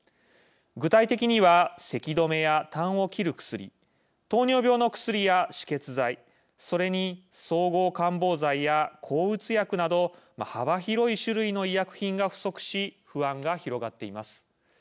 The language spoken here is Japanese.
具体的には、せき止めやたんを切る薬糖尿病の薬や止血剤それに総合感冒剤や抗うつ薬など幅広い種類の医薬品が不足し不安が広がっています。